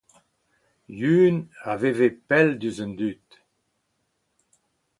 Yun a veve pell diouzh an dud.